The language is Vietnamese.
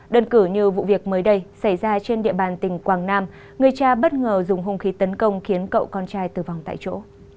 đơn cử như vụ việc mới đây xảy ra trên địa bàn tỉnh quảng nam người cha bất ngờ dùng hung khí tấn công khiến cậu con trai tử vong tại chỗ